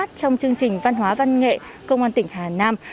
và phát trong chương trình văn hóa văn nghệ công an tỉnh hà nam